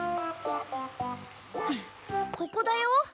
ここだよ。